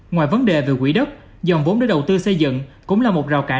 ngoài vấn đề về quy đắc dòng vốn để đầu tư xây dựng cũng là một rào cãi